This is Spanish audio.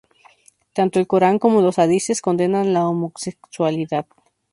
Tanto el "Corán" como los hadices condenan la homosexualidad.